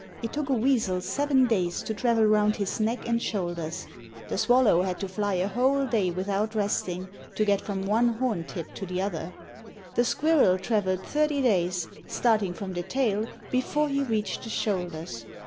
It took a weasel seven days to travel round his neck and shoulders; the swallow had to fly a whole day without resting, to get from one horn tip to the other; the squirrel travelled thirty days, starting from the tail, before he reached the shoulders.